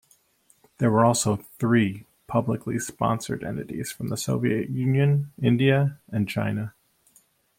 There were also three publicly sponsored entities from the Soviet Union, India and China.